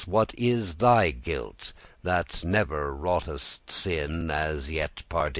what is thy guilt, That never wroughtest sin as yet, pardie?